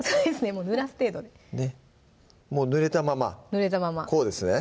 もうぬらす程度でもうぬれたままこうですね？